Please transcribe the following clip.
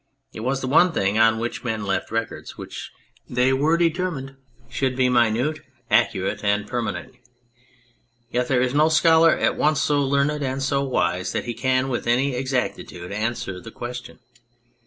It was the one thing on which men left records which they were deter 71 On Anything mined should be minute, accurate and permanent. Yet there is no scholar at once so learned and so wise that he can with any exactitude answer the question.